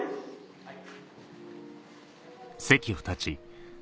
はい。